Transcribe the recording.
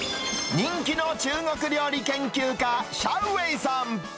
人気の中国料理研究家、シャウ・ウェイさん。